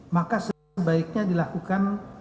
maka sebaiknya dilakukan